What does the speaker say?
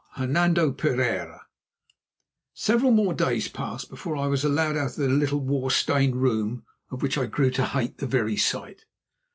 HERNANDO PEREIRA Several more days passed before I was allowed out of that little war stained room of which I grew to hate the very sight.